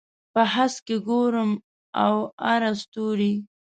په هسک کې ګورم اواره ستوري